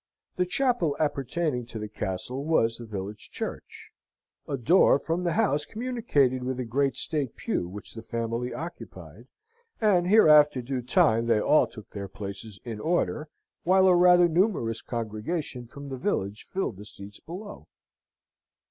The chapel appertaining to the castle was the village church. A door from the house communicated with a great state pew which the family occupied, and here after due time they all took their places in order, whilst a rather numerous congregation from the village filled the seats below.